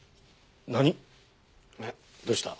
どうした？